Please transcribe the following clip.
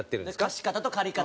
貸方と借方。